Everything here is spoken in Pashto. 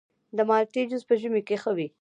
د مالټې جوس په ژمي کې ښه وي.